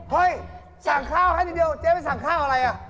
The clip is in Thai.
เฮ้ยสั่งข้าวให้นิดเดียวเจ๊ไปสั่งข้าวอะไรอ่ะ